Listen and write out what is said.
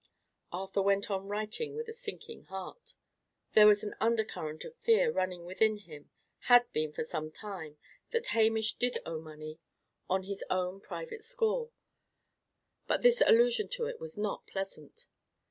Arthur went on writing with a sinking heart. There was an undercurrent of fear running within him had been for some time that Hamish did owe money on his own private score. But this allusion to it was not pleasant.